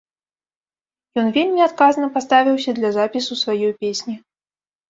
Ён вельмі адказна паставіўся для запісу сваёй песні.